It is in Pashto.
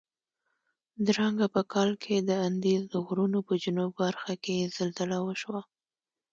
درانګه په کال کې د اندیز د غرونو په جنوب برخه کې زلزله وشوه.